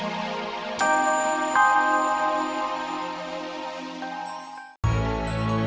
ayo kam sudah punya anggep dan beresan kan